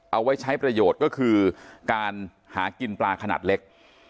เอาไว้ใช้ประโยชน์ก็คือการหากินปลาขนาดเล็ก